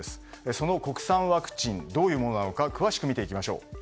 その国産ワクチンどういうものか詳しく見ていきましょう。